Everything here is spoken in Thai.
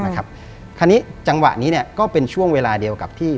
คราวนี้จังหวะนี้ก็เป็นช่วงเวลาเดียวกับที่